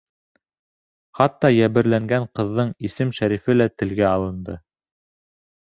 Хатта йәберләнгән ҡыҙҙың исем-шәрифе лә телгә алынды.